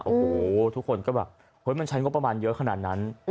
โอ้โหทุกคนก็แบบเฮ้ยมันใช้งบประมาณเยอะขนาดนั้น